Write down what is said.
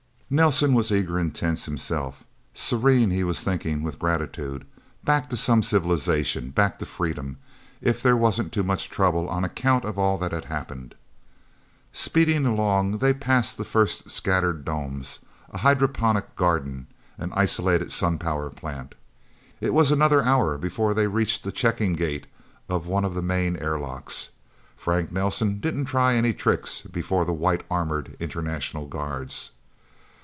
Nelsen was eager and tense, himself. Serene, he was thinking with gratitude. Back to some of civilization. Back to freedom if there wasn't too much trouble on account of all that had happened. Speeding along, they passed the first scattered domes, a hydroponic garden, an isolated sun power plant. It was another hour before they reached the checking gate of one of the main airlocks. Frank Nelsen didn't try any tricks before the white armored international guards.